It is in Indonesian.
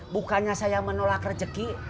bukannya saya menolak rezeki